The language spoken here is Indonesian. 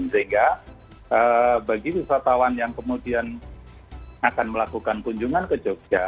sehingga bagi wisatawan yang kemudian akan melakukan kunjungan ke jogja